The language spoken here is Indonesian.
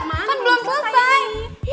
mbak kan belum selesai